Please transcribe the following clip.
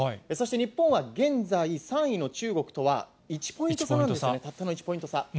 そして日本は現在３位の中国とは１ポイント差なんですね、たったの１ポイント差。